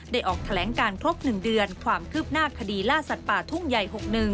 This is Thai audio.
ออกแถลงการครบ๑เดือนความคืบหน้าคดีล่าสัตว์ป่าทุ่งใหญ่๖๑